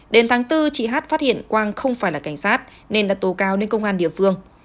đến tháng bốn chị hát phát hiện quang không phải là cảnh sát nên đã tố cao nên công an địa phương